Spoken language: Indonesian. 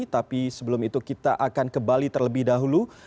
tapi sebelum itu kita akan ke bali terlebih dahulu